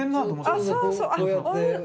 あっそうそう。